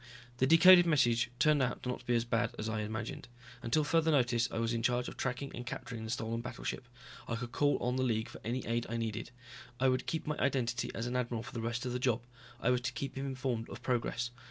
The decoded message turned out not to be as bad as I had imagined. Until further notice I was in charge of tracking and capturing the stolen battleship. I could call on the League for any aid I needed. I would keep my identity as an admiral for the rest of the job. I was to keep him informed of progress.